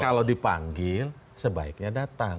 kalau dipanggil sebaiknya datang